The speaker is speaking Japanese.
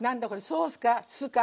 ソースか酢か。